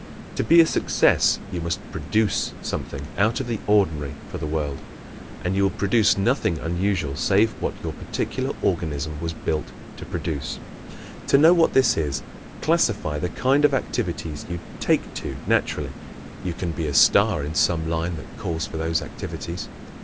To be a success you must PRODUCE something out of the ordinary for the world. And you will produce nothing unusual save what your particular organism was built to produce. To know what this is, classify the kind of activities you "take to" naturally. You can be a star in some line that calls for those activities.